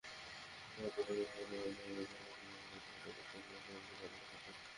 গতকাল দুপুরে চট্টগ্রামের আন্দরকিল্লার নগর ভবনের প্রধান ফটকের সামনে এসব ঘটনা ঘটে।